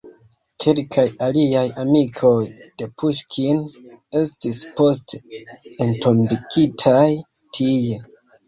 Kelkaj aliaj amikoj de Puŝkin estis poste entombigitaj tie.